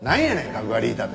カクガリータって。